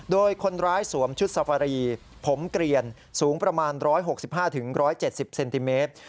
โดยคนร้ายสวมชุดซาฟารีผมเกลียนสูงประมาณ๑๖๕๑๗๐เซนติเมตร